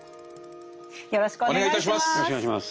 よろしくお願いします。